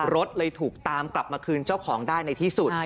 รถเลยถูกตามกลับมาคืนเจ้าของได้ในที่สุด